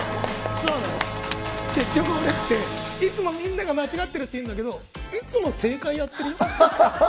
結局、俺っていつもみんなが間違っているって言うんだけどいつも正解やってるよ。